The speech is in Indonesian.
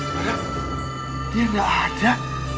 barak dia gak ada